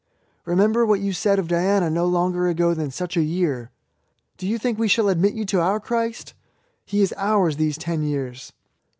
''Be member what you said of Diana no longer ago than such a year!" "Do you think we shall admit you to our Christ? He is ours these ten years